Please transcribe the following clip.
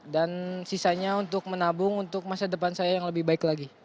dan sisanya untuk menabung untuk masa depan saya yang lebih baik lagi